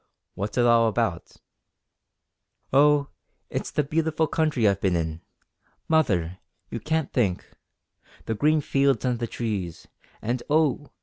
"What's it all about?" "Oh! it's the beautiful country I've been in. Mother, you can't think the green fields and the trees, and, oh!